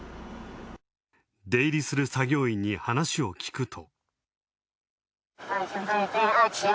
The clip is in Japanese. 出入りする作業員に話を聞くと。